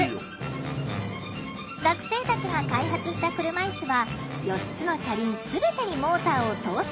学生たちが開発した車いすは４つの車輪全てにモーターを搭載。